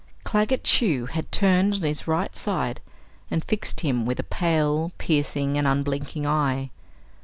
Claggett Chew had turned on his right side and fixed him with a pale, piercing, and unblinking eye.